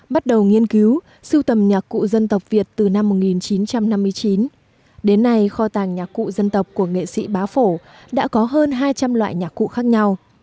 bắt đầu nghiên cứu sưu tầm nhạc cụ dân tộc việt từ năm một nghìn chín trăm năm mươi chín đến nay kho tàng nhạc cụ dân tộc của nghệ sĩ bá phổ đã có hơn hai trăm linh loại nhạc cụ khác nhau